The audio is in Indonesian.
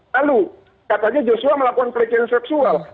lalu katanya joshua melakukan pelecehan seksual